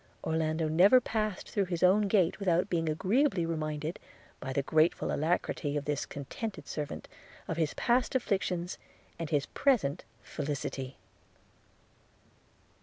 – Orlando never passed through his own gate without being agreeably reminded, by the grateful alacrity of this contented servant, of his past afflictions, and his present felicity.